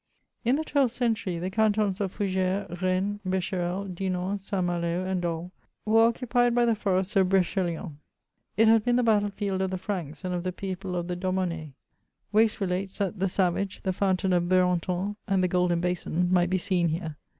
In the twelfth century, the cantons of Foug^res, Rennes, B&herel, Dinan, St. Malo and Dol were occupied by the forest of Br^heliant ; it had been the battle field of the Franks and of the people of the Dommon^e. Wace relates that " the savage, the fountain of Berentonand the golden basin," might be seen here.